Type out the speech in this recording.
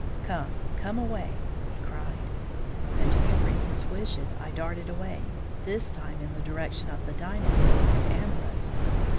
"Come! come away!" he cried; and humoring his wishes, I darted away, this time in the direction of the dining room and Ambrose.